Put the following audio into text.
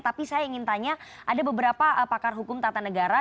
tapi saya ingin tanya ada beberapa pakar hukum tata negara